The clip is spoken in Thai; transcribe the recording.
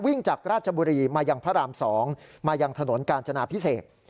วิ่งจากราชบุรีมาอย่างพระราม๒มาอย่างถนนกาญจนาพิเศษ